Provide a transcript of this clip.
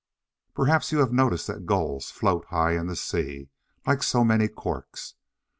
Perhaps you have noticed that Gulls float high in the sea, like so many corks.